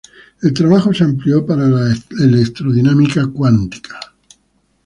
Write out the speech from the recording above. El trabajo se amplió para la electrodinámica cuántica.